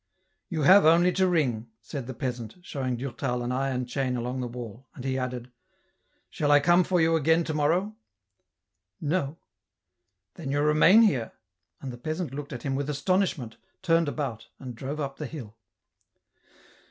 " You have only to ring," said the peasant, showing Durtal an iron chain along the wall ; and he added, '* Shall I come for you again to morrow ?"" No." " Then you remain here ?" and the peasant looked at him with astonishment, turned about, and drove up the hill.